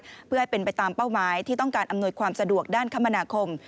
เพื่อให้เป็นไปตามเป้าหมายที่ต้องการอำนวยความสะดวกด้านคมนาคม